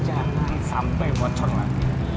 jangan sampai bocor lah